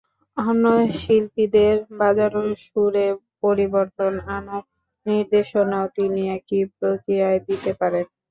অন্য শিল্পীদের বাজানো সুরে পরিবর্তন আনার নির্দেশনাও তিনি একই প্রক্রিয়ায় দিতে পারেন।